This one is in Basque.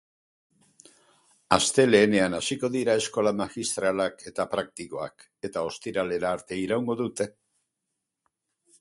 Astelehenean hasiko dira eskola magistralak eta praktikoak eta ostiralera arte iraungo dute.